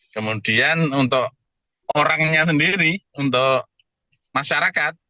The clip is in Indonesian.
kemudian untuk orangnya sendiri untuk masyarakat